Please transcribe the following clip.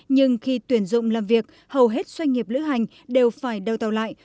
nhưng khi tuyển dụng làm việc hầu hết doanh nghiệp lữ hành đều phải đào tạo lại